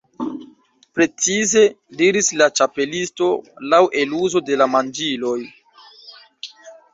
"Precize," diris la Ĉapelisto, "laŭ eluzo de la manĝiloj."